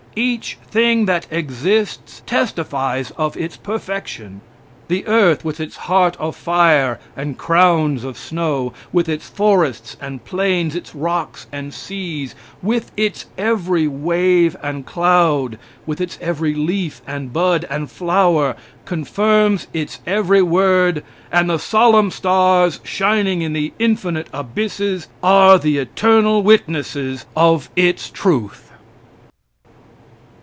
Each thing that exists testifies of its perfection. The earth with its heart of fire and crowns of snow; with its forests and plains, its rocks and seas; with its every wave and cloud; with its every leaf, and bud, and flower, confirms its every word, and the solemn stars, shining in the infinite abysses, are the eternal witnesses of its truth.